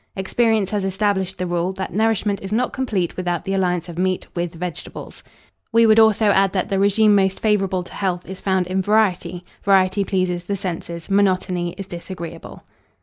Experience has established the rule, that nourishment is not complete without the alliance of meat with vegetables. We would also add, that the regime most favourable to health is found in variety: variety pleases the senses, monotony is disagreeable.